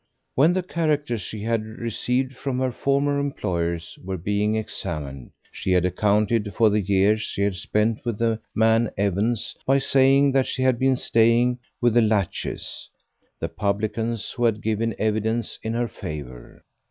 When the characters she had received from her former employers were being examined she had accounted for the year she had spent with the man Evans by saying that she had been staying with the Latches, the publicans who had given evidence in her favour.